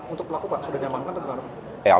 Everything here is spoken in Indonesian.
untuk pelaku pak sudah diamankan atau tidak